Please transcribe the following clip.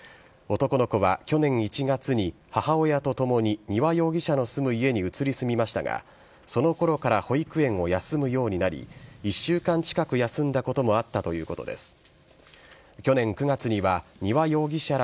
男の子は去年１月に母親と共に丹羽容疑者の住む家に移り住みましたが、そのころから保育園を休むようになり、１週間近く休んだこともあったということです。